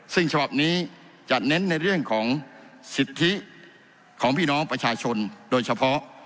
ซึ่งฉบับนี้จะเน้นในเรื่องของสิทธิของพี่น้องประชาชนโดยเฉพาะ